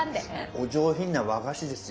お上品な和菓子ですよ。